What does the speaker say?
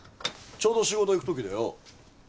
ちょうど仕事行くときでよ。